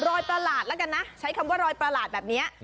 ประหลาดแล้วกันนะใช้คำว่ารอยประหลาดแบบนี้